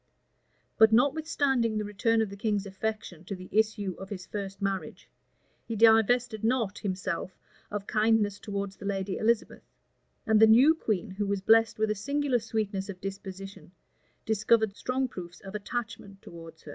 But notwithstanding the return of the king's affection to the issue of his first marriage, he divested not himself of kindness towards the lady Elizabeth; and the new queen, who was blessed with a singular sweetness of disposition, discovered strong proofs of attachment towards her.